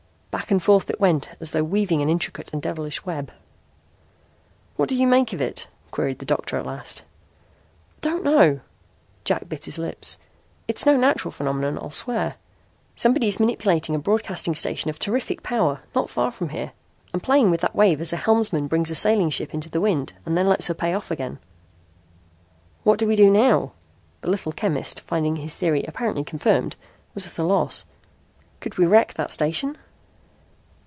Back and forth it went as though weaving an intricate and devilish web. "What do you make of it?" queried the doctor at last. "Don't know." Jack bit his lips. "It's no natural phenomenon, I'll swear. Somebody is manipulating a broadcasting station of terrific power not far from here and playing with that wave as a helmsman brings a sailing ship into the wind and lets her pay off again." "What do we do now?" The little chemist, finding his theory apparently confirmed, was at a loss. "Could we wreck that station?"